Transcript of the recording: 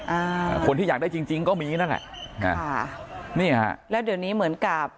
อ่าคนที่อยากได้จริงจริงก็มีนั่นแหละค่ะนี่ฮะแล้วเดี๋ยวนี้เหมือนกับ